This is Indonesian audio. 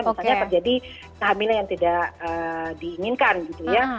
misalnya terjadi kehamilan yang tidak diinginkan gitu ya